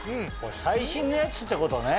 最新のやつってことね。